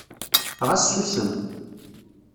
Ɣas susem.